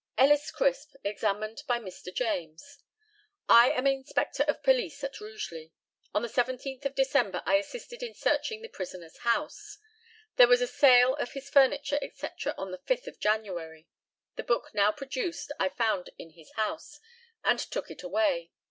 ELLIS CRISP, examined by Mr. JAMES: I am inspector of police at Rugeley. On the 17th of December I assisted in searching the prisoner's house. There was a sale of his furniture, &c., on the 5th of January. The book now produced I found in his house, and took it away.